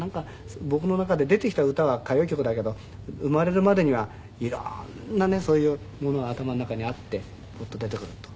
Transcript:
僕の中で出てきた歌は歌謡曲だけど生まれるまでには色んなねそういうものが頭の中にあってポッと出てくると。